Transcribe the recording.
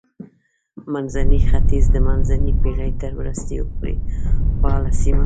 منځنی ختیځ د منځنۍ پېړۍ تر وروستیو پورې فعاله سیمه وه.